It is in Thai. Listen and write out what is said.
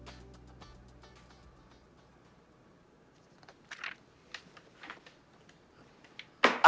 โปรดติดตามตอนต่อไป